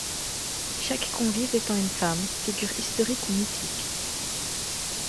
Chaque convive étant une femme, figure historique ou mythique.